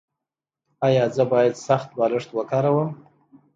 ایا زه باید سخت بالښت وکاروم؟